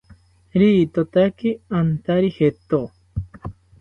Ritotaki antari jeto